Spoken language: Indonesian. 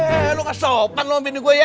hei lu gak sopan lo ambil ini gue ya